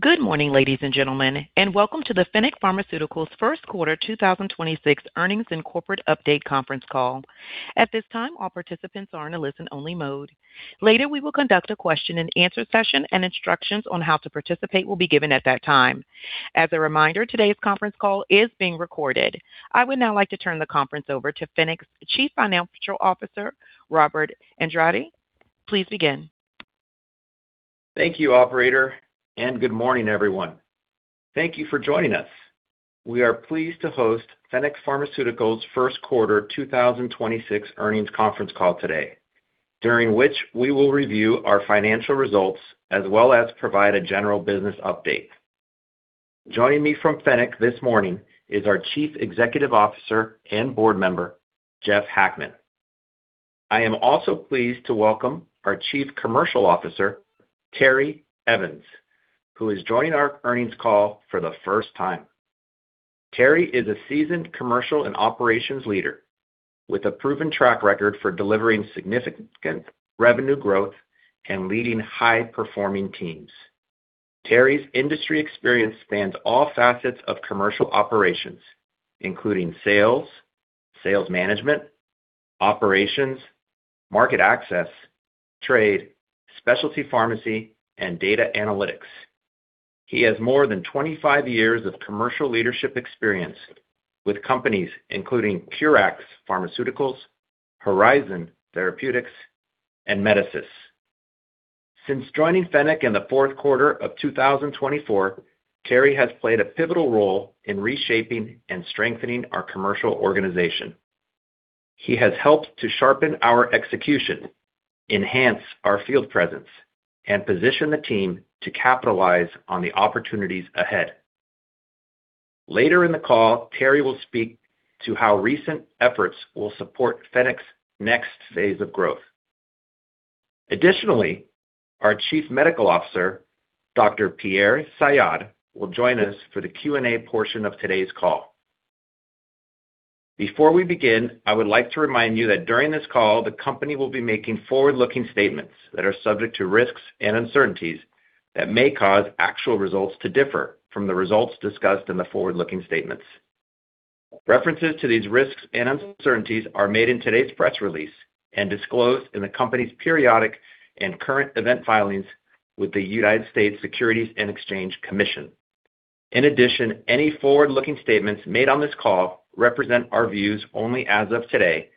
Good morning, ladies and gentlemen, and welcome to the Fennec Pharmaceuticals First Quarter 2026 Earnings and Corporate Update Conference Call. At this time, all participants are in a listen-only mode. Later, we will conduct a question and answer session, and instructions on how to participate will be given at that time. As a reminder, today's conference call is being recorded. I would now like to turn the conference over to Fennec's Chief Financial Officer, Robert Andrade. Please begin. Thank you, operator, and good morning, everyone. Thank you for joining us. We are pleased to host Fennec Pharmaceuticals First Quarter 2026 Earnings Conference Call today, during which we will review our financial results as well as provide a general business update. Joining me from Fennec this morning is our Chief Executive Officer and board member, Jeffrey S. Hackman. I am also pleased to welcome our Chief Commercial Officer, Terry Evans, who is joining our earnings call for the first time. Terry is a seasoned commercial and operations leader with a proven track record for delivering significant revenue growth and leading high-performing teams. Terry's industry experience spans all facets of commercial operations, including sales management, operations, market access, trade, specialty pharmacy, and data analytics. He has more than 25 years of commercial leadership experience with companies including Currax Pharmaceuticals, Horizon Therapeutics, and Medesis. Since joining Fennec in the fourth quarter of 2024, Terry has played a pivotal role in reshaping and strengthening our commercial organization. He has helped to sharpen our execution, enhance our field presence, and position the team to capitalize on the opportunities ahead. Later in the call, Terry will speak to how recent efforts will support Fennec's next phase of growth. Our Chief Medical Officer, Dr. Pierre Sayad, will join us for the Q&A portion of today's call. Before we begin, I would like to remind you that during this call, the company will be making forward-looking statements that are subject to risks and uncertainties that may cause actual results to differ from the results discussed in the forward-looking statements. References to these risks and uncertainties are made in today's press release and disclosed in the company's periodic and current event filings with the United States Securities and Exchange Commission. In addition, any forward-looking statements made on this call represent our views only as of today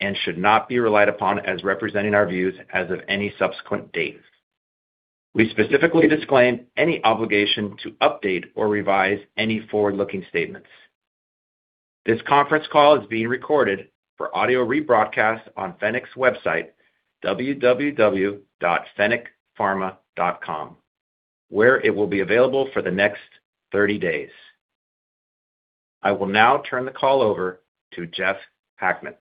and should not be relied upon as representing our views as of any subsequent date. We specifically disclaim any obligation to update or revise any forward-looking statements. This conference call is being recorded for audio rebroadcast on Fennec's website, www.fennecpharma.com, where it will be available for the next 30 days. I will now turn the call over to Jeff Hackman.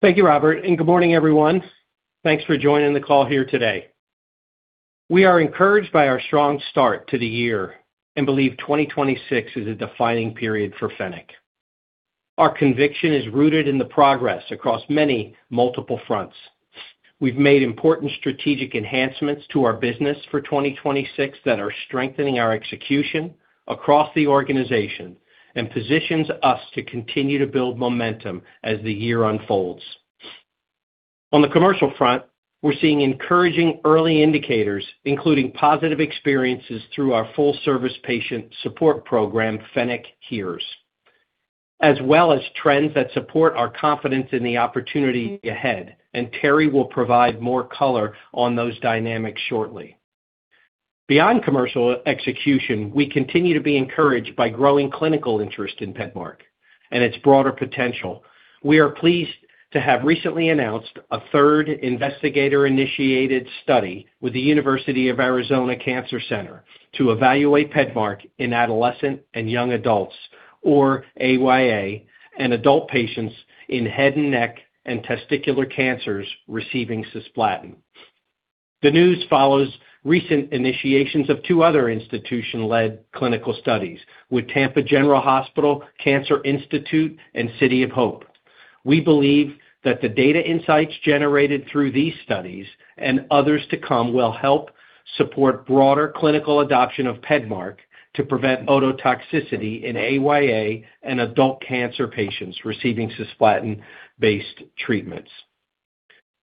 Thank you, Robert. Good morning, everyone. Thanks for joining the call here today. We are encouraged by our strong start to the year and believe 2026 is a defining period for Fennec. Our conviction is rooted in the progress across many multiple fronts. We've made important strategic enhancements to our business for 2026 that are strengthening our execution across the organization and positions us to continue to build momentum as the year unfolds. On the commercial front, we're seeing encouraging early indicators, including positive experiences through our full-service patient support program, Fennec HEARS, as well as trends that support our confidence in the opportunity ahead. Terry will provide more color on those dynamics shortly. Beyond commercial execution, we continue to be encouraged by growing clinical interest in PEDMARK and its broader potential. We are pleased to have recently announced a third investigator-initiated study with the University of Arizona Cancer Center to evaluate PEDMARK in adolescent and young adults, or AYA, and adult patients in head and neck and testicular cancers receiving cisplatin. The news follows recent initiations of two other institution-led clinical studies with Tampa General Hospital Cancer Institute and City of Hope. We believe that the data insights generated through these studies and others to come will help support broader clinical adoption of PEDMARK to prevent ototoxicity in AYA and adult cancer patients receiving cisplatin-based treatments.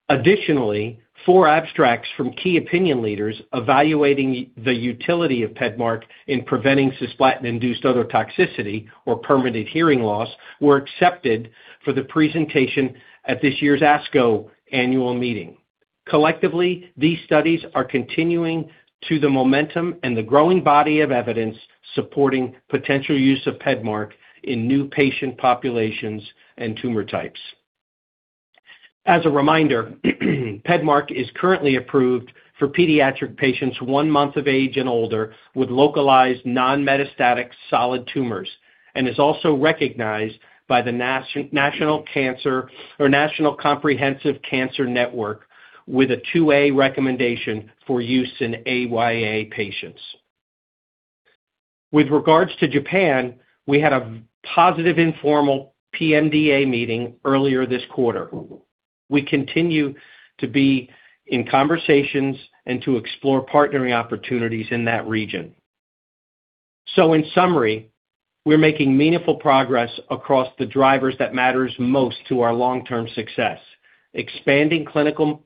Additionally, four abstracts from key opinion leaders evaluating the utility of PEDMARK in preventing cisplatin-induced ototoxicity or permanent hearing loss were accepted for the presentation at this year's ASCO annual meeting. Collectively, these studies are continuing to the momentum and the growing body of evidence supporting potential use of PEDMARK in new patient populations and tumor types. As a reminder, PEDMARK is currently approved for pediatric patients one month of age and older with localized non-metastatic solid tumors and is also recognized by the National Comprehensive Cancer Network with a 2A recommendation for use in AYA patients. With regards to Japan, we had a positive informal PMDA meeting earlier this quarter. We continue to be in conversations and to explore partnering opportunities in that region. In summary, we're making meaningful progress across the drivers that matters most to our long-term success, expanding clinical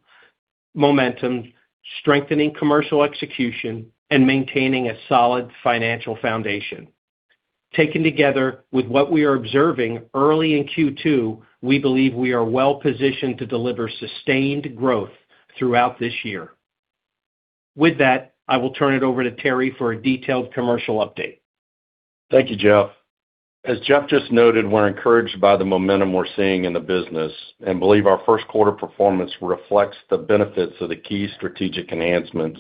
momentum, strengthening commercial execution, and maintaining a solid financial foundation. Taken together with what we are observing early in Q2, we believe we are well-positioned to deliver sustained growth throughout this year. With that, I will turn it over to Terry for a detailed commercial update. Thank you, Jeff. As Jeff just noted, we're encouraged by the momentum we're seeing in the business and believe our first quarter performance reflects the benefits of the key strategic enhancements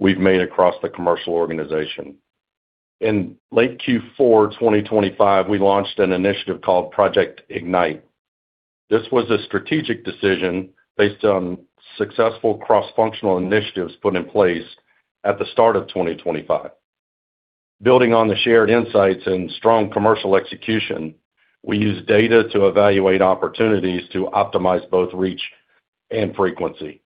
we've made across the commercial organization. In late Q4 2025, we launched an initiative called Project Ignite. This was a strategic decision based on successful cross-functional initiatives put in place at the start of 2025. Building on the shared insights and strong commercial execution, we used data to evaluate opportunities to optimize both reach and frequency.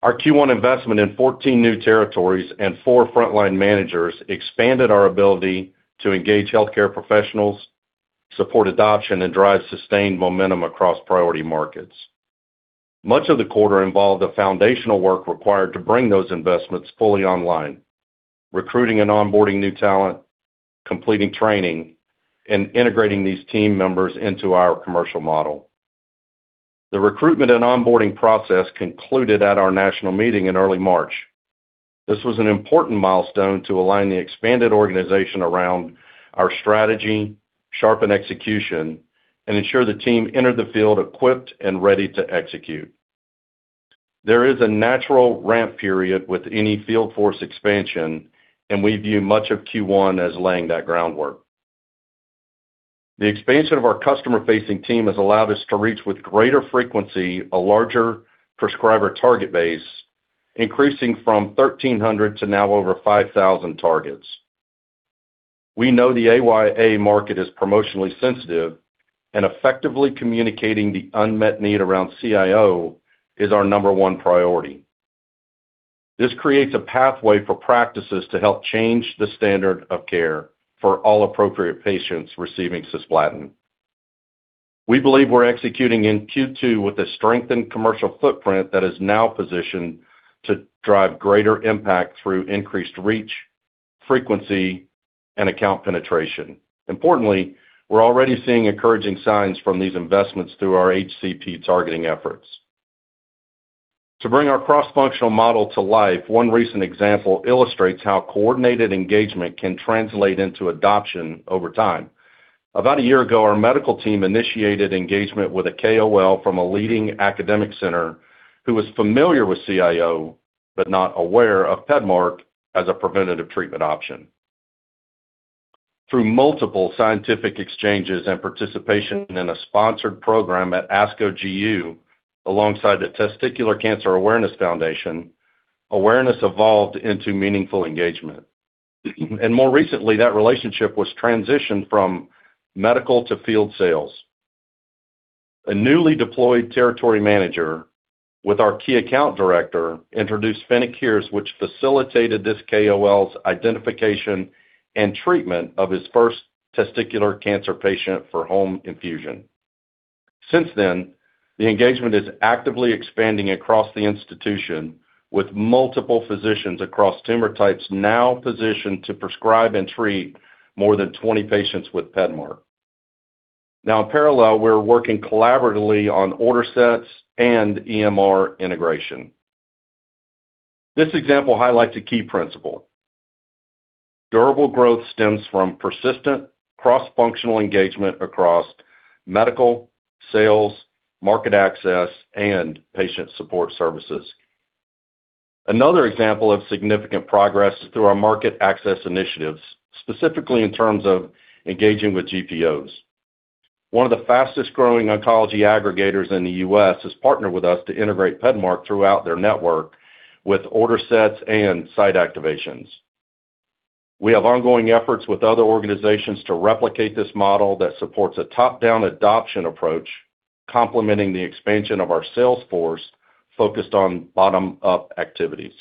Our Q1 investment in 14 new territories and four frontline managers expanded our ability to engage healthcare professionals, support adoption, and drive sustained momentum across priority markets. Much of the quarter involved the foundational work required to bring those investments fully online, recruiting and onboarding new talent, completing training, and integrating these team members into our commercial model. The recruitment and onboarding process concluded at our national meeting in early March. This was an important milestone to align the expanded organization around our strategy, sharpen execution, and ensure the team entered the field equipped and ready to execute. There is a natural ramp period with any field force expansion, and we view much of Q1 as laying that groundwork. The expansion of our customer-facing team has allowed us to reach with greater frequency a larger prescriber target base, increasing from 1,300 to now over 5,000 targets. We know the AYA market is promotionally sensitive and effectively communicating the unmet need around CIO is our number one priority. This creates a pathway for practices to help change the standard of care for all appropriate patients receiving cisplatin. We believe we're executing in Q2 with a strengthened commercial footprint that is now positioned to drive greater impact through increased reach, frequency, and account penetration. Importantly, we're already seeing encouraging signs from these investments through our HCP targeting efforts. To bring our cross-functional model to life, one recent example illustrates how coordinated engagement can translate into adoption over time. About a year ago, our medical team initiated engagement with a KOL from a leading academic center who was familiar with CIO, but not aware of PEDMARK as a preventative treatment option. Through multiple scientific exchanges and participation in a sponsored program at ASCO GU alongside the Testicular Cancer Awareness Foundation, awareness evolved into meaningful engagement. More recently, that relationship was transitioned from medical to field sales. A newly deployed territory manager with our key account director introduced Fennec HEARS, which facilitated this KOL's identification and treatment of his first testicular cancer patient for home infusion. Since then, the engagement is actively expanding across the institution with multiple physicians across tumor types now positioned to prescribe and treat more than 20 patients with PEDMARK. In parallel, we're working collaboratively on order sets and EMR integration. This example highlights a key principle. Durable growth stems from persistent cross-functional engagement across medical, sales, market access, and patient support services. Another example of significant progress is through our market access initiatives, specifically in terms of engaging with GPOs. One of the fastest-growing oncology aggregators in the U.S. has partnered with us to integrate PEDMARK throughout their network with order sets and site activations. We have ongoing efforts with other organizations to replicate this model that supports a top-down adoption approach, complementing the expansion of our sales force focused on bottom-up activities.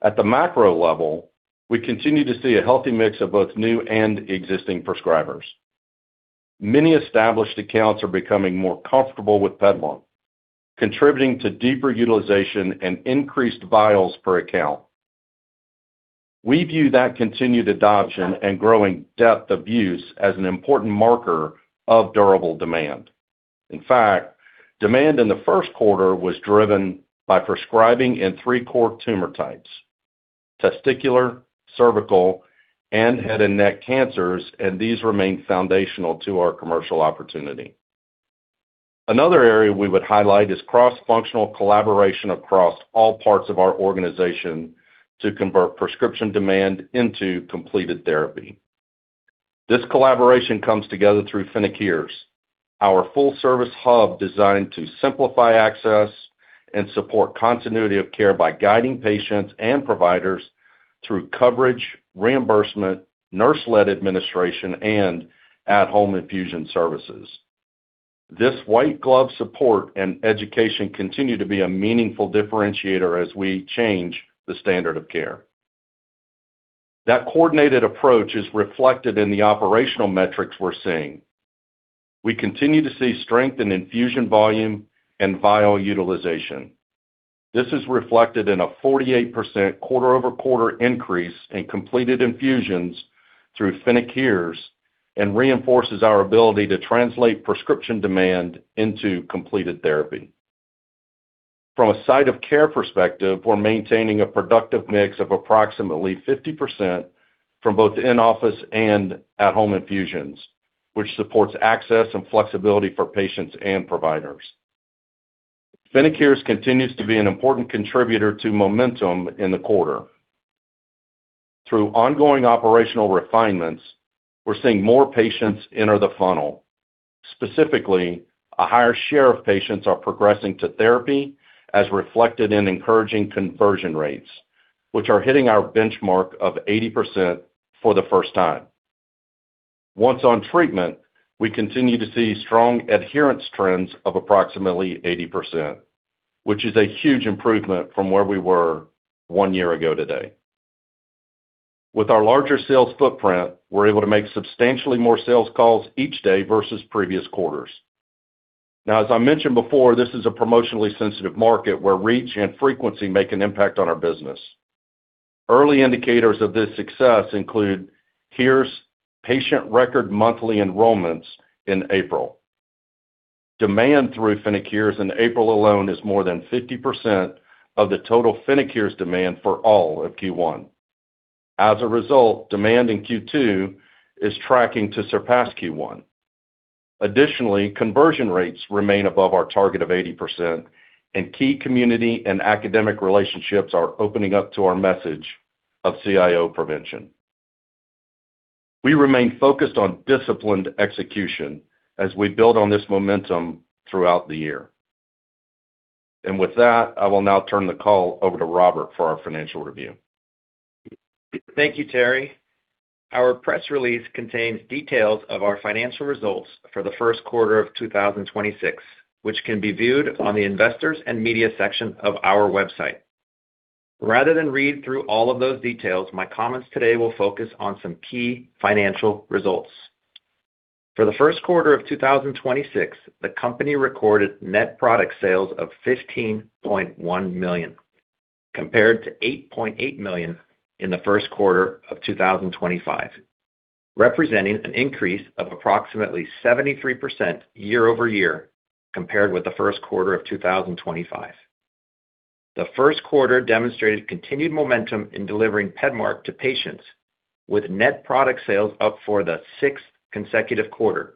At the macro level, we continue to see a healthy mix of both new and existing prescribers. Many established accounts are becoming more comfortable with PEDMARK, contributing to deeper utilization and increased vials per account. We view that continued adoption and growing depth of use as an important marker of durable demand. In fact, demand in the first quarter was driven by prescribing in three core tumor types: testicular, cervical, and head and neck cancers, and these remain foundational to our commercial opportunity. Another area we would highlight is cross-functional collaboration across all parts of our organization to convert prescription demand into completed therapy. This collaboration comes together through Fennec HEARS, our full-service hub designed to simplify access and support continuity of care by guiding patients and providers through coverage, reimbursement, nurse-led administration, and at-home infusion services. This white glove support and education continue to be a meaningful differentiator as we change the standard of care. That coordinated approach is reflected in the operational metrics we're seeing. We continue to see strength in infusion volume and vial utilization. This is reflected in a 48% quarter-over-quarter increase in completed infusions through Fennec HEARS and reinforces our ability to translate prescription demand into completed therapy. From a site of care perspective, we're maintaining a productive mix of approximately 50% from both in-office and at-home infusions, which supports access and flexibility for patients and providers. Fennec continues to be an important contributor to momentum in the quarter. Through ongoing operational refinements, we're seeing more patients enter the funnel. Specifically, a higher share of patients are progressing to therapy, as reflected in encouraging conversion rates, which are hitting our benchmark of 80% for the first time. Once on treatment, we continue to see strong adherence trends of approximately 80%, which is a huge improvement from where we were one year ago today. With our larger sales footprint, we're able to make substantially more sales calls each day versus previous quarters. Now, as I mentioned before, this is a promotionally sensitive market where reach and frequency make an impact on our business. Early indicators of this success include Fennec HEARS patient record monthly enrollments in April. Demand through Fennec HEARS in April alone is more than 50% of the total Fennec HEARS demand for all of Q1. As a result, demand in Q2 is tracking to surpass Q1. Additionally, conversion rates remain above our target of 80%, and key community and academic relationships are opening up to our message of CIO prevention. We remain focused on disciplined execution as we build on this momentum throughout the year. With that, I will now turn the call over to Robert for our financial review. Thank you, Terry. Our press release contains details of our financial results for the first quarter of 2026, which can be viewed on the Investors and Media section of our website. Rather than read through all of those details, my comments today will focus on some key financial results. For the first quarter of 2026, the company recorded net product sales of $15.1 million, compared to $8.8 million in the first quarter of 2025, representing an increase of approximately 73% year-over-year compared with the first quarter of 2025. The first quarter demonstrated continued momentum in delivering PEDMARK to patients, with net product sales up for the sixth consecutive quarter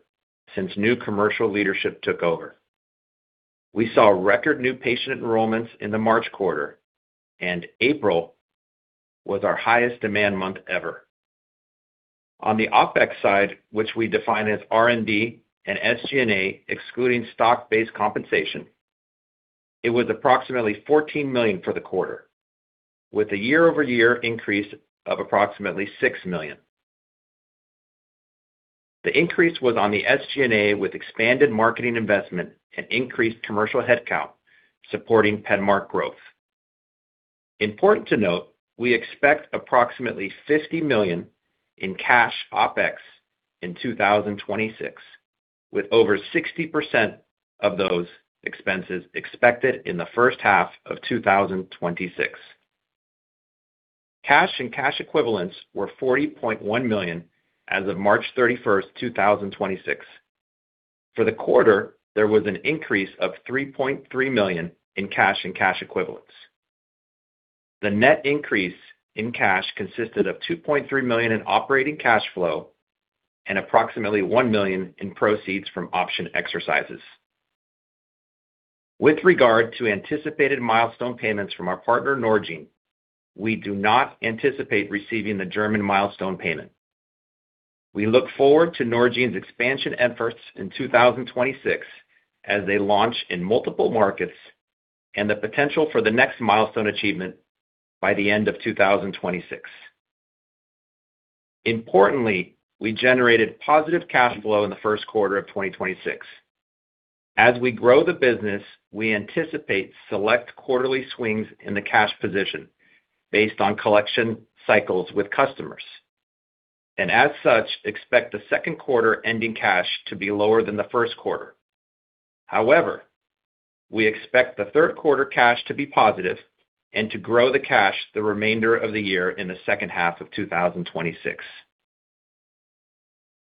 since new commercial leadership took over. We saw record new patient enrollments in the March quarter, and April was our highest demand month ever. On the OpEx side, which we define as R&D and SG&A, excluding stock-based compensation, it was approximately $14 million for the quarter, with a year-over-year increase of approximately $6 million. The increase was on the SG&A with expanded marketing investment and increased commercial headcount supporting PEDMARK growth. Important to note, we expect approximately $50 million in cash OpEx in 2026, with over 60% of those expenses expected in the first half of 2026. Cash and cash equivalents were $40.1 million as of March 31st, 2026. For the quarter, there was an increase of $3.3 million in cash and cash equivalents. The net increase in cash consisted of $2.3 million in operating cash flow and approximately $1 million in proceeds from option exercises. With regard to anticipated milestone payments from our partner, Norgine, we do not anticipate receiving the German milestone payment. We look forward to Norgine's expansion efforts in 2026 as they launch in multiple markets and the potential for the next milestone achievement by the end of 2026. Importantly, we generated positive cash flow in the 1st quarter of 2026. As we grow the business, we anticipate select quarterly swings in the cash position based on collection cycles with customers, and as such, expect the 2nd quarter ending cash to be lower than the 1st quarter. However, we expect the third quarter cash to be positive and to grow the cash the remainder of the year in the second half of 2026.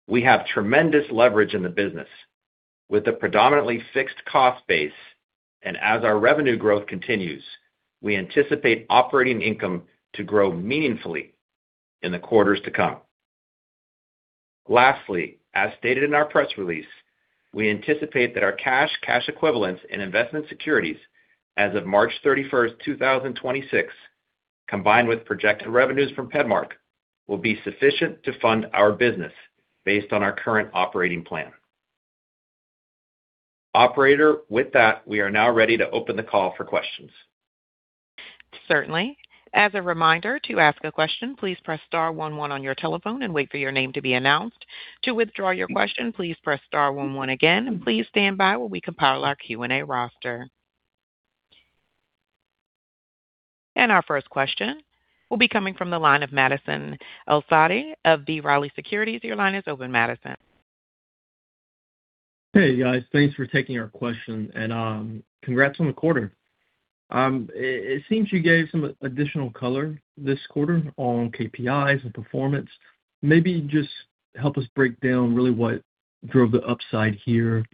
We have tremendous leverage in the business with a predominantly fixed cost base. As our revenue growth continues, we anticipate operating income to grow meaningfully in the quarters to come. Lastly, as stated in our press release, we anticipate that our cash equivalents in investment securities as of March 31st 2026 Combined with projected revenues from PEDMARK, will be sufficient to fund our business based on our current operating plan. Operator, with that, we are now ready to open the call for questions. Certainly. As a reminder, to ask a question, please press star one one on your telephone and wait for your name to be announced. To withdraw your question, please press star one one again, and please stand by while we compile our Q&A roster. Our first question will be coming from the line of Madison El-Saadi of B. Riley Securities. Your line is open, Madison. Hey, guys. Thanks for taking our question, and, congrats on the quarter. It seems you gave some additional color this quarter on KPIs and performance. Maybe just help us break down really what drove the upside here,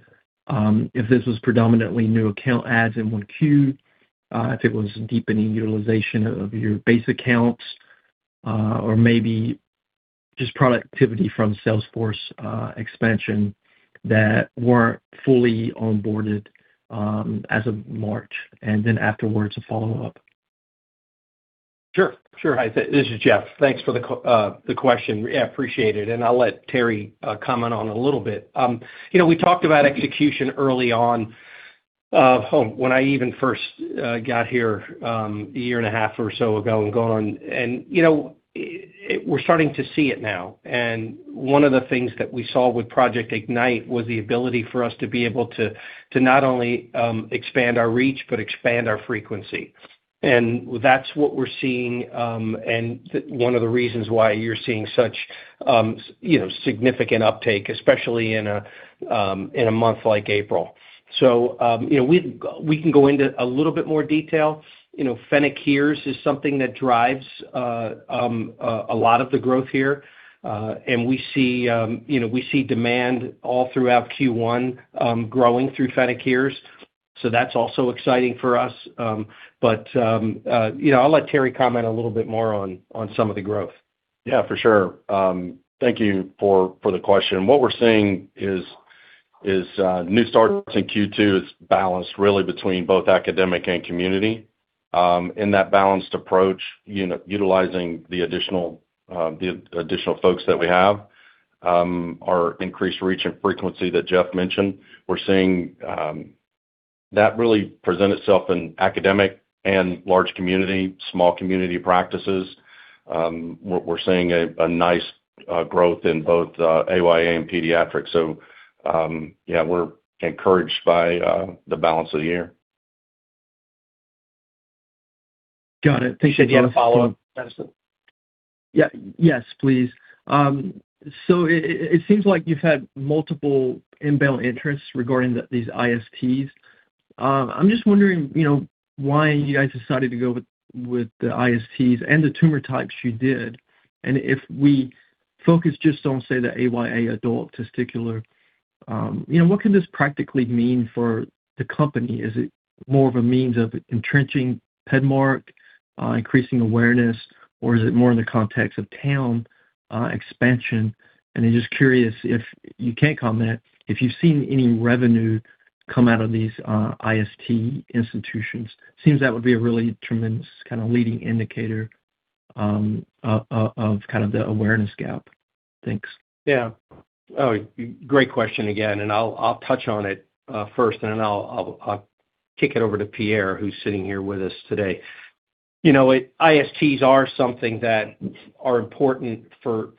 if this was predominantly new account adds in 1Q, if it was deepening utilization of your base accounts, or maybe just productivity from sales force, expansion that weren't fully onboarded, as of March. Afterwards, a follow-up. Sure. Sure. This is Jeff. Thanks for the question. Yeah, appreciate it, and I'll let Terry comment on a little bit. You know, we talked about execution early on, when I even first got here, a year and a half or so ago and going on. You know, we're starting to see it now. One of the things that we saw with Project Ignite was the ability for us to not only expand our reach, but expand our frequency. That's what we're seeing, and one of the reasons why you're seeing such, you know, significant uptake, especially in a month like April. You know, we can go into a little bit more detail. You know, Fennec HEARS is something that drives a lot of the growth here. We see, you know, we see demand all throughout Q1, growing through Fennec HEARS, so that's also exciting for us. You know, I'll let Terry comment a little bit more on some of the growth. Yeah, for sure. Thank you for the question. What we're seeing is new starts in Q2 is balanced really between both academic and community. In that balanced approach, utilizing the additional folks that we have, our increased reach and frequency that Jeff mentioned. We're seeing that really present itself in academic and large community, small community practices. We're seeing a nice growth in both AYA and pediatrics. Yeah, we're encouraged by the balance of the year. Got it. Thanks, Jeff. Do you want to follow up, Madison? Yeah. Yes, please. It seems like you've had multiple inbound interests regarding these ISTs. I'm just wondering, you know, why you guys decided to go with the ISTs and the tumor types you did. If we focus just on, say, the AYA adult testicular, you know, what can this practically mean for the company? Is it more of a means of entrenching PEDMARK, increasing awareness, or is it more in the context of tumor expansion? Just curious, if you can comment, if you've seen any revenue come out of these IST institutions. Seems that would be a really tremendous kind of leading indicator of kind of the awareness gap. Thanks. Oh, great question again, and I'll kick it over to Pierre, who's sitting here with us today. You know, ISTs are something that are important for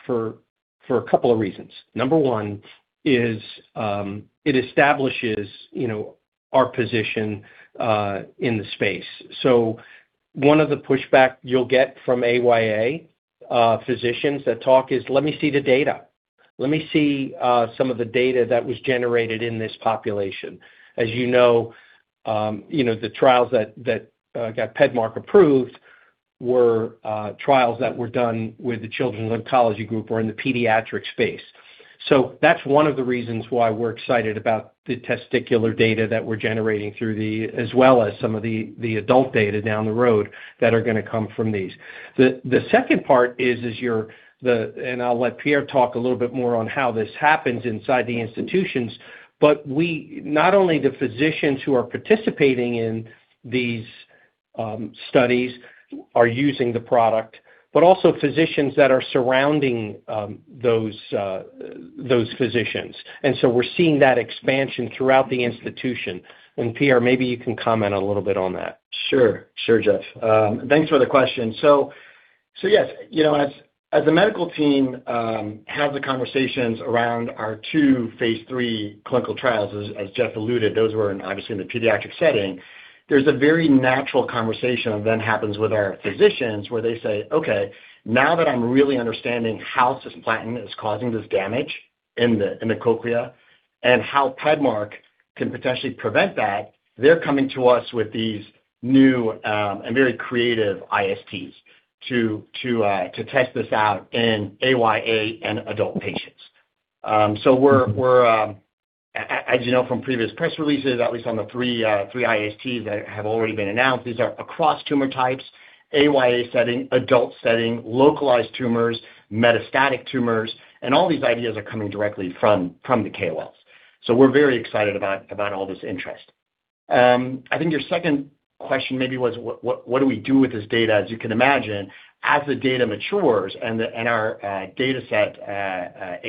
a couple of reasons. Number one is it establishes, you know, our position in the space. One of the pushback you'll get from AYA physicians that talk is, "Let me see the data. Let me see some of the data that was generated in this population." As you know, you know, the trials that got PEDMARK approved were trials that were done with the Children's Oncology Group or in the pediatric space. That's one of the reasons why we're excited about the testicular data that we're generating through the as well as some of the adult data down the road that are gonna come from these. The second part is and I'll let Pierre talk a little bit more on how this happens inside the institutions. We not only the physicians who are participating in these studies are using the product, but also physicians that are surrounding those physicians. We're seeing that expansion throughout the institution. Pierre, maybe you can comment a little bit on that. Sure. Sure, Jeff. Thanks for the question. Yes, you know, as the medical team have the conversations around our two phase III clinical trials, as Jeff alluded, those were obviously in the pediatric setting. There's a very natural conversation that happens with our physicians where they say, "Okay, now that I'm really understanding how cisplatin is causing this damage in the cochlea and how PEDMARK can potentially prevent that," they're coming to us with these new and very creative ISTs to test this out in AYA and adult patients. we're as you know from previous press releases, at least on the three ISTs that have already been announced, these are across tumor types, AYA setting, adult setting, localized tumors, metastatic tumors, and all these ideas are coming directly from the KOLs. we're very excited about all this interest. I think your second question maybe was what do we do with this data? As you can imagine, as the data matures and our dataset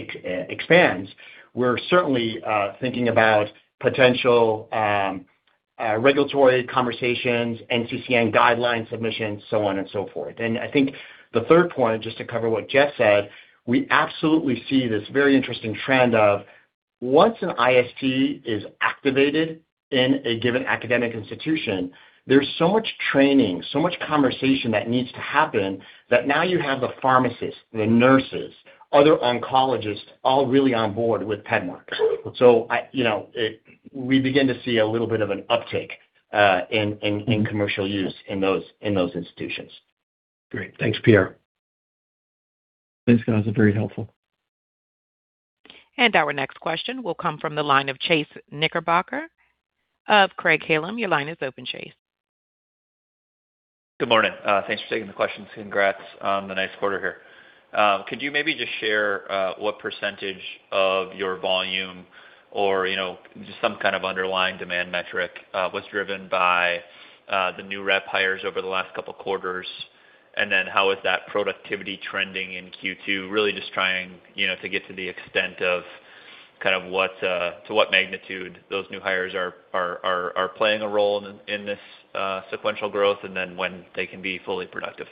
expands, we're certainly thinking about potential regulatory conversations, NCCN guidelines submissions, so on and so forth. I think the third point, just to cover what Jeff said, we absolutely see this very interesting trend of once an IST is activated in a given academic institution, there's so much training, so much conversation that needs to happen that now you have the pharmacists, the nurses, other oncologists, all really on board with PEDMARK. I, you know, we begin to see a little bit of an uptick in commercial use in those institutions. Great. Thanks, Pierre. Thanks, guys. That's very helpful. Our next question will come from the line of Chase Knickerbocker of Craig-Hallum. Your line is open, Chase. Good morning. Thanks for taking the questions. Congrats on the nice quarter here. Could you maybe just share what percentage of your volume or, you know, just some kind of underlying demand metric was driven by the new rep hires over the last couple quarters? How is that productivity trending in Q2? Really just trying, you know, to get to the extent of kind of what to what magnitude those new hires are playing a role in this sequential growth and then when they can be fully productive.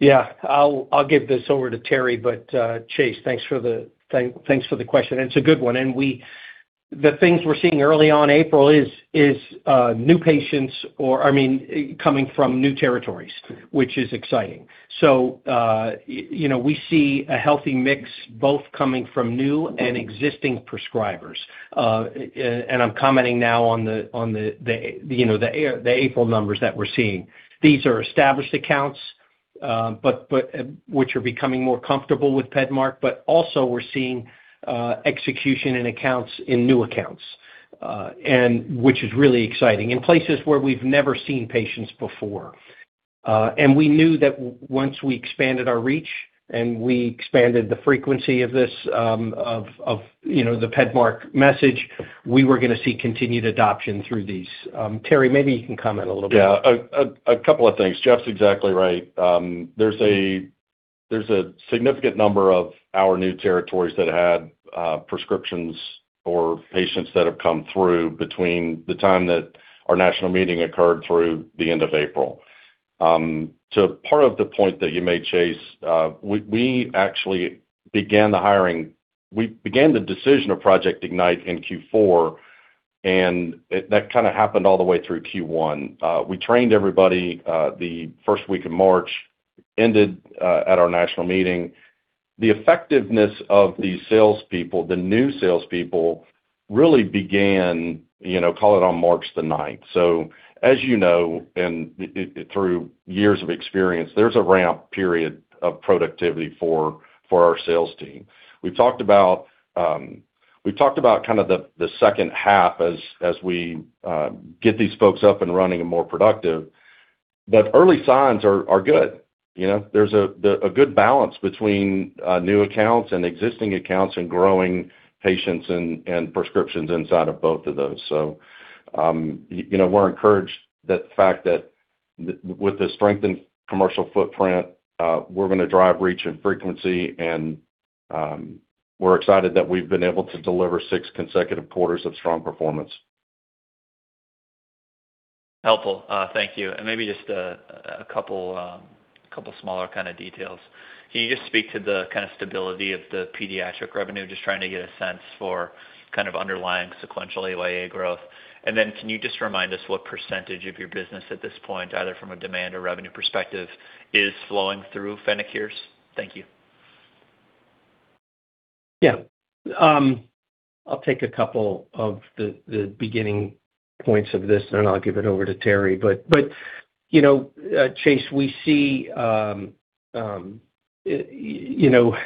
Yeah. I'll give this over to Terry, but Chase, thanks for the question. It's a good one. The things we're seeing early on April is new patients or I mean coming from new territories, which is exciting. You know, we see a healthy mix both coming from new and existing prescribers. I'm commenting now on, you know, the April numbers that we're seeing. These are established accounts, but which are becoming more comfortable with PEDMARK. Also we're seeing execution in accounts, in new accounts, which is really exciting in places where we've never seen patients before. we knew that once we expanded our reach and we expanded the frequency of this, you know, the PEDMARK message, we were gonna see continued adoption through these. Terry, maybe you can comment a little bit. Yeah. A couple of things. Jeff's exactly right. There's a significant number of our new territories that had prescriptions or patients that have come through between the time that our national meeting occurred through the end of April. Part of the point that you made, Chase, we actually began the decision of Project Ignite in Q4, and it kinda happened all the way through Q1. We trained everybody the first week of March, ended at our national meeting. The effectiveness of these salespeople, the new salespeople really began, you know, call it on March the ninth. As you know, and through years of experience, there's a ramp period of productivity for our sales team. We've talked about we've talked about kind of the second half as we get these folks up and running and more productive. Early signs are good. You know. There's a good balance between new accounts and existing accounts and growing patients and prescriptions inside of both of those. You know, we're encouraged that the fact that with the strengthened commercial footprint, we're gonna drive reach and frequency and we're excited that we've been able to deliver six consecutive quarters of strong performance. Helpful. Thank you. Maybe just a couple smaller kinda details. Can you just speak to the kinda stability of the pediatric revenue? Just trying to get a sense for kind of underlying sequential AYA growth. Can you just remind us what percentage of your business at this point, either from a demand or revenue perspective, is flowing through Fennec HEARS? Thank you. Yeah. I'll take a couple of the beginning points of this, then I'll give it over to Terry. You know, Chase, we see, you know,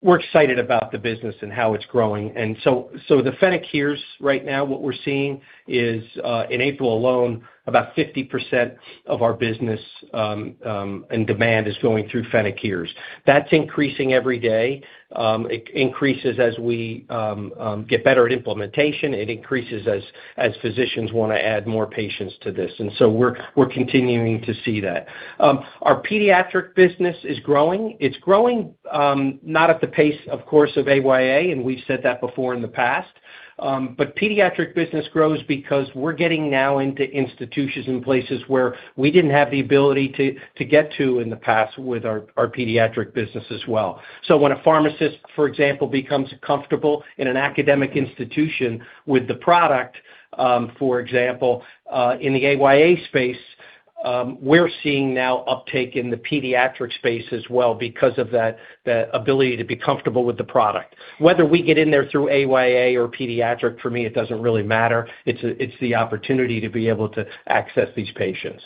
We're excited about the business and how it's growing. The Fennec HEARS right now, what we're seeing is, in April alone, about 50% of our business and demand is going through Fennec HEARS. That's increasing every day. It increases as we get better at implementation. It increases as physicians wanna add more patients to this. We're continuing to see that. Our pediatric business is growing. It's growing, not at the pace, of course, of AYA, and we've said that before in the past. Pediatric business grows because we're getting now into institutions and places where we didn't have the ability to get to in the past with our pediatric business as well. When a pharmacist, for example, becomes comfortable in an academic institution with the product, for example, in the AYA space, we're seeing now uptake in the pediatric space as well because of that ability to be comfortable with the product. Whether we get in there through AYA or pediatric, for me, it doesn't really matter. It's the opportunity to be able to access these patients.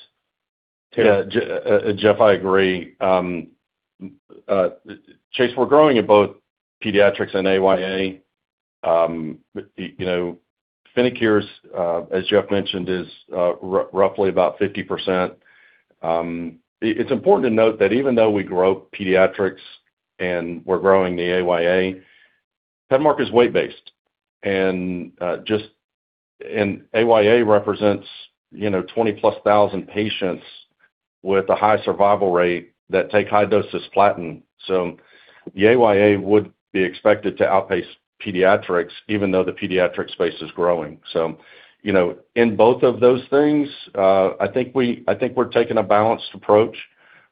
Terry? Yeah. Jeff, I agree. Chase, we're growing in both pediatrics and AYA. you know, Fennec's, as Jeff mentioned, is, roughly about 50%. it's important to note that even though we grow pediatrics and we're growing the AYA, PEDMARK is weight-based. just AYA represents, you know, 20-plus thousand patients with a high survival rate that take high-dose cisplatin. the AYA would be expected to outpace pediatrics even though the pediatric space is growing. you know, in both of those things, I think we, I think we're taking a balanced approach,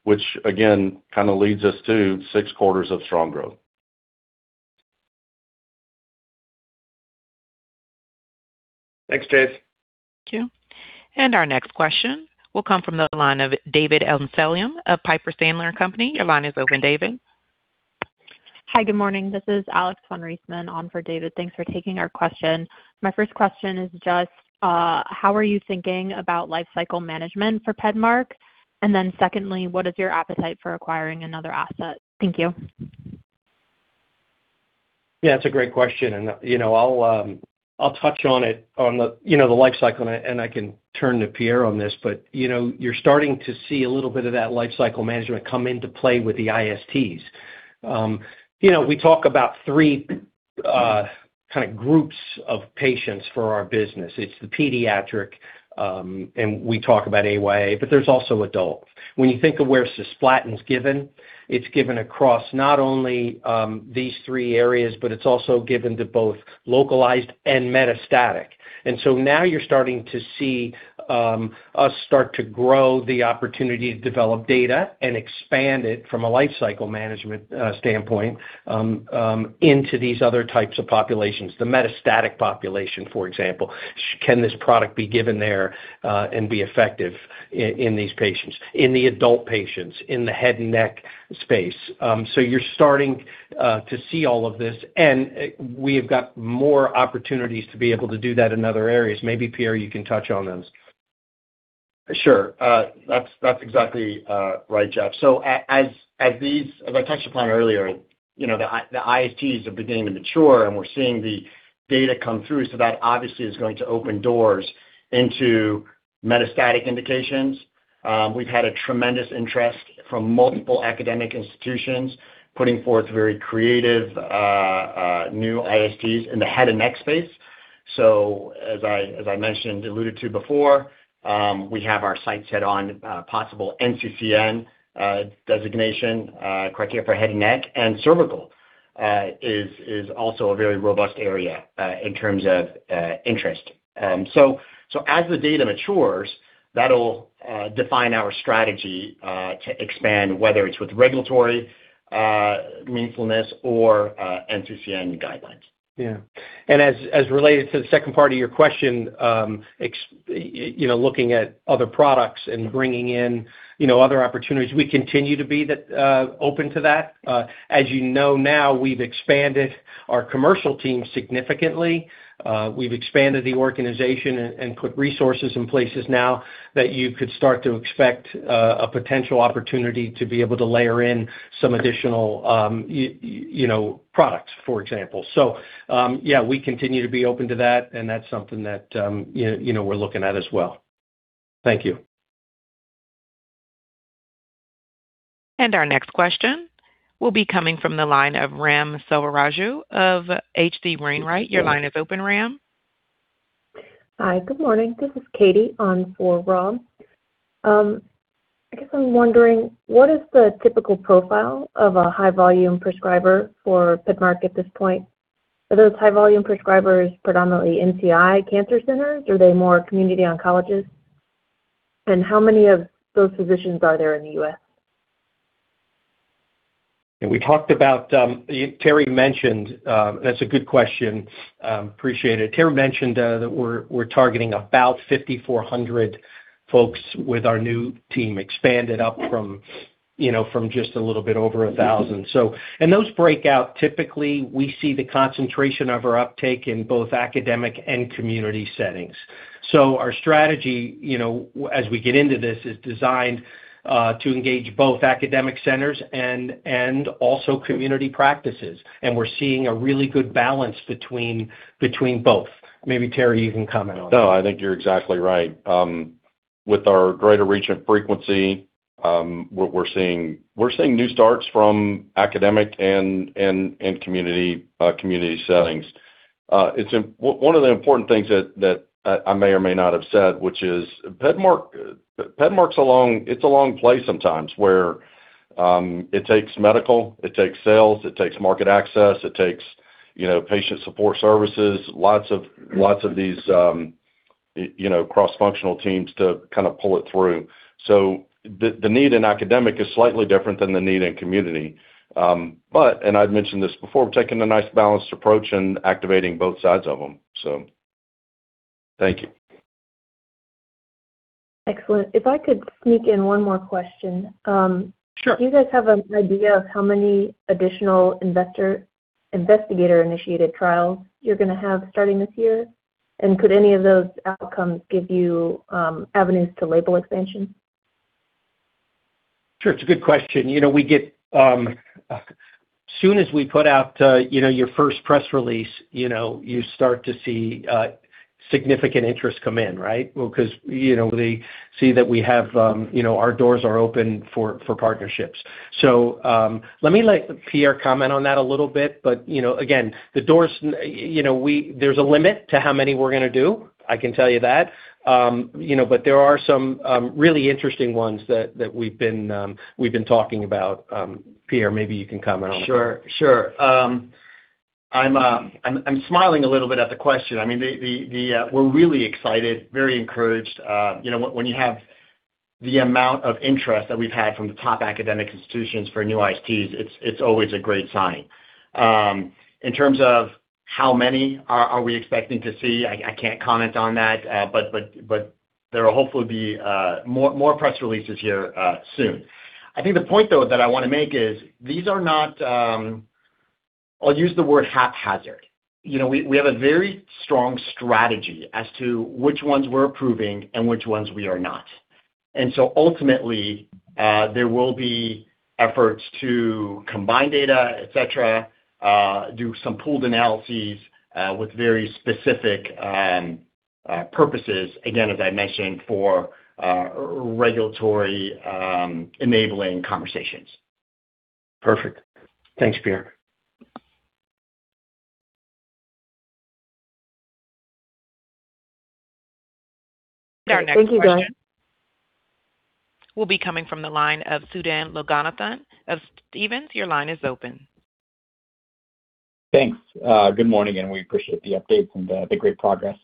which again, kinda leads us to six quarters of strong growth. Thanks, Dave. Thank you. Our next question will come from the line of David Amsellem of Piper Sandler & Co. Your line is open, David. Hi. Good morning. This is Alex von Riesemann on for David. Thanks for taking our question. My first question is just, how are you thinking about life cycle management for PEDMARK? Secondly, what is your appetite for acquiring another asset? Thank you. Yeah, it's a great question. you know, I'll touch on it on the, you know, the life cycle and I can turn to Pierre on this. you know, you're starting to see a little bit of that life cycle management come into play with the ISTs. you know, we talk about three kind of groups of patients for our business. It's the pediatric, and we talk about AYA, but there's also adult. When you think of where cisplatin is given, it's given across not only these three areas, but it's also given to both localized and metastatic. now you're starting to see us start to grow the opportunity to develop data and expand it from a life cycle management standpoint into these other types of populations. The metastatic population, for example. Can this product be given there, and be effective in these patients? In the adult patients, in the head and neck space. You're starting to see all of this, and we have got more opportunities to be able to do that in other areas. Maybe, Pierre, you can touch on those. Sure. That's exactly right, Jeff. As I touched upon earlier, you know, the ISTs are beginning to mature, and we're seeing the data come through, so that obviously is going to open doors into metastatic indications. We've had a tremendous interest from multiple academic institutions putting forth very creative new ISTs in the head and neck space. As I mentioned, alluded to before, we have our sights set on possible NCCN designation criteria for head and neck, and cervical is also a very robust area in terms of interest. As the data matures, that'll define our strategy to expand, whether it's with regulatory meaningfulness or NCCN guidelines. Yeah. As related to the second part of your question, you know, looking at other products and bringing in, you know, other opportunities, we continue to be open to that. As you know now, we've expanded our commercial team significantly. We've expanded the organization and put resources in places now that you could start to expect a potential opportunity to be able to layer in some additional, you know, products, for example. Yeah, we continue to be open to that, and that's something that, you know, we're looking at as well. Thank you. Our next question will be coming from the line of Ram Selvaraju of H.C. Wainwright. Your line is open, Ram. Hi. Good morning. This is Katie on for Ram. I guess I'm wondering, what is the typical profile of a high-volume prescriber for PEDMARK at this point? Are those high-volume prescribers predominantly NCI cancer centers? Are they more community oncologists? how many of those physicians are there in the U.S.? Yeah, we talked about. That's a good question. Appreciate it. Terry mentioned that we're targeting about 5,400 folks with our new team, expanded up from, you know, from just a little bit over 1,000. And those break out. Typically, we see the concentration of our uptake in both academic and community settings. Our strategy, you know, as we get into this, is designed to engage both academic centers and also community practices, and we're seeing a really good balance between both. Maybe, Terry, you can comment on that. No, I think you're exactly right. With our greater region frequency, what we're seeing, we're seeing new starts from academic and community settings. One of the important things that I may or may not have said, which is PEDMARK's a long, it's a long play sometimes, where it takes medical, it takes sales, it takes market access, it takes, you know, patient support services, lots of these, you know, cross-functional teams to kind of pull it through. The need in academic is slightly different than the need in community. I'd mentioned this before, we're taking a nice balanced approach and activating both sides of them. Thank you. Excellent. If I could sneak in one more question. Sure. Do you guys have an idea of how many additional investigator-initiated trials you're gonna have starting this year? Could any of those outcomes give you avenues to label expansion? Sure, it's a good question. You know, we get, soon as we put out, you know, your first press release, you know, you start to see, significant interest come in, right? Well, 'cause, you know, they see that we have, you know, our doors are open for partnerships. Let me let Pierre comment on that a little bit. You know, again, the doors, you know, there's a limit to how many we're gonna do, I can tell you that. You know, there are some really interesting ones that we've been talking about. Pierre, maybe you can comment on that. Sure, sure. I'm smiling a little bit at the question. I mean, the we're really excited, very encouraged. You know, when you have the amount of interest that we've had from the top academic institutions for new ISTs, it's always a great sign. In terms of how many are we expecting to see, I can't comment on that. There will hopefully be more press releases here soon. I think the point, though, that I wanna make is these are not, I'll use the word haphazard. You know, we have a very strong strategy as to which ones we're approving and which ones we are not. Ultimately, there will be efforts to combine data, et cetera, do some pooled analyses, with very specific purposes, again, as I mentioned, for regulatory enabling conversations. Perfect. Thanks, Pierre. Our next question- Thank you, guys will be coming from the line of Sudan Loganathan of Stephens. Your line is open. Thanks. Good morning, and we appreciate the update and the great progress.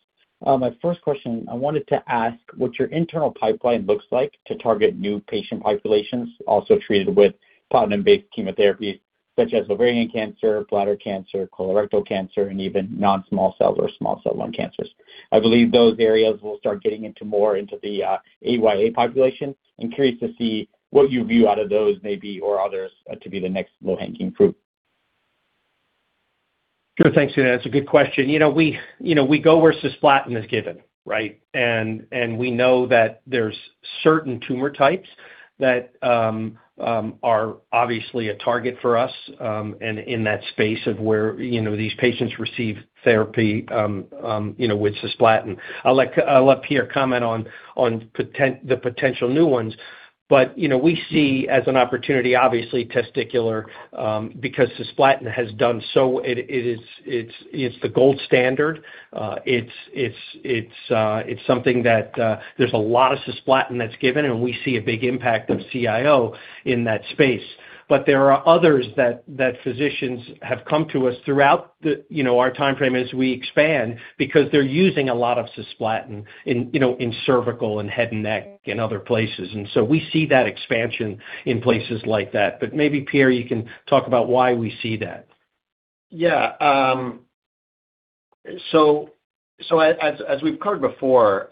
My first question, I wanted to ask what your internal pipeline looks like to target new patient populations also treated with platinum-based chemotherapy, such as ovarian cancer, bladder cancer, colorectal cancer, and even non-small cell or small cell lung cancers. I believe those areas will start getting into more into the AYA population. I'm curious to see what you view out of those maybe or others, to be the next low-hanging fruit. Sure. Thanks, Sudan. That's a good question. You know, we, you know, we go where cisplatin is given, right? We know that there's certain tumor types that are obviously a target for us, and in that space of where, you know, these patients receive therapy, you know, with cisplatin. I'll let Pierre comment on the potential new ones. You know, we see as an opportunity, obviously, testicular, because cisplatin has done so. It is the gold standard. It's something that there's a lot of cisplatin that's given, and we see a big impact of CIO in that space. There are others that physicians have come to us throughout the, you know, our timeframe as we expand because they're using a lot of cisplatin in, you know, in cervical and head and neck and other places. We see that expansion in places like that. Maybe, Pierre, you can talk about why we see that. Yeah. As we've covered before,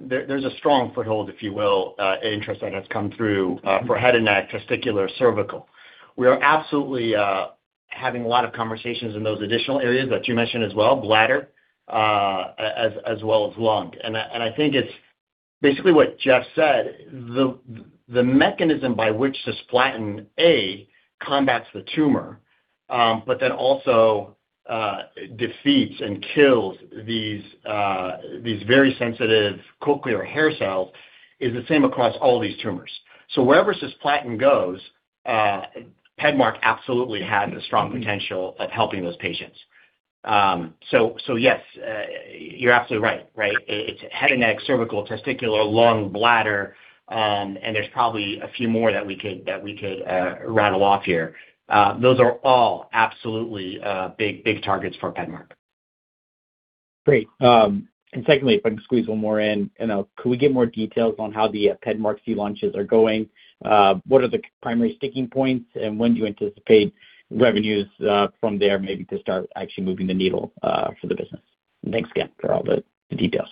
there's a strong foothold, if you will, interest that has come through for head and neck, testicular, cervical. We are absolutely having a lot of conversations in those additional areas that you mentioned as well, bladder, as well as lung. I think it's basically what Jeff said. The mechanism by which cisplatin, A, combats the tumor but then also defeats and kills these very sensitive cochlear hair cells is the same across all these tumors. Wherever cisplatin goes, PEDMARK absolutely has a strong potential of helping those patients. Yes, you're absolutely right? It's head and neck, cervical, testicular, lung, bladder, and there's probably a few more that we could rattle off here. those are all absolutely, big targets for PEDMARK. Great. Secondly, if I can squeeze one more in. You know, could we get more details on how the PEDMARK launches are going? What are the primary sticking points, and when do you anticipate revenues from there maybe to start actually moving the needle for the business? Thanks again for all the details.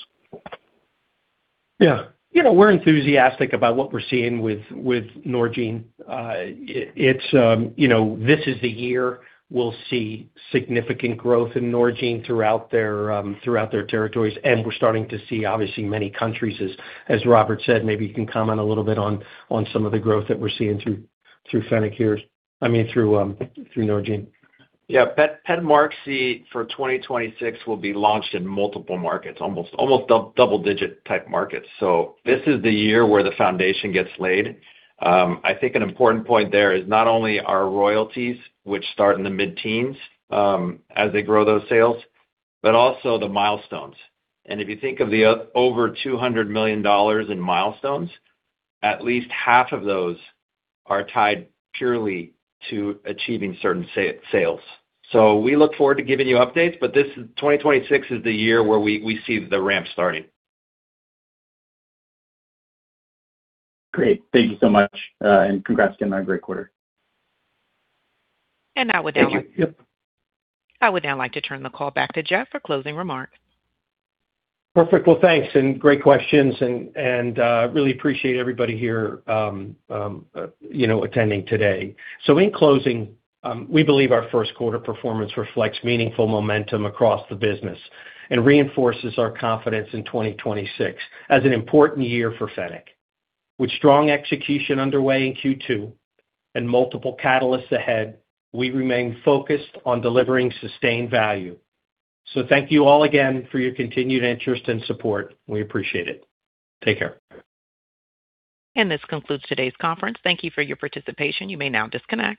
Yeah. You know, we're enthusiastic about what we're seeing with Norgine. It's, you know, this is the year we'll see significant growth in Norgine throughout their territories, and we're starting to see obviously many countries as Robert said. Maybe you can comment a little bit on some of the growth that we're seeing through Fennec here. I mean, through Norgine. Yeah. PEDMARQCY for 2026 will be launched in multiple markets, almost double-digit type markets. This is the year where the foundation gets laid. I think an important point there is not only our royalties, which start in the mid-teens, as they grow those sales, but also the milestones. If you think of the over $200 million in milestones, at least half of those are tied purely to achieving certain sales. We look forward to giving you updates, but this is 2026 is the year where we see the ramp starting. Great. Thank you so much. Congrats again on a great quarter. And now with that- Thank you. Yep. I would now like to turn the call back to Jeff for closing remarks. Perfect. Well, thanks, and great questions and really appreciate everybody here, you know, attending today. In closing, we believe our first quarter performance reflects meaningful momentum across the business and reinforces our confidence in 2026 as an important year for Fennec. With strong execution underway in Q2 and multiple catalysts ahead, we remain focused on delivering sustained value. Thank you all again for your continued interest and support. We appreciate it. Take care. This concludes today's conference. Thank you for your participation. You may now disconnect.